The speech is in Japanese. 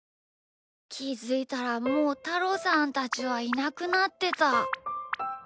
きづいたらもうたろさんたちはいなくなってた。